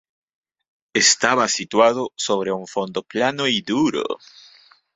Estaba situado sobre un fondo plano y duro.